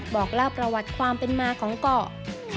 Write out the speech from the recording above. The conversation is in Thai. บอกเล่าประวัติความเป็นมาของเกาะ